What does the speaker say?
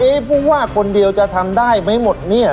ผู้ว่าคนเดียวจะทำได้ไหมหมดเนี่ย